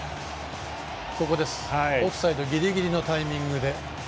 オフサイドギリギリのタイミングで。